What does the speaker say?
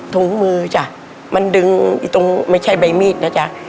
ถุงมือจ้ะมันดึงอีกตรงไม่ใช่ใบมีดนะจ๊ะ